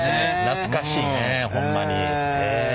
懐かしいねホンマに。